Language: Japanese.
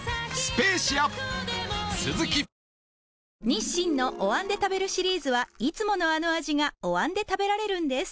日清のお椀で食べるシリーズはいつものあの味がお椀で食べられるんです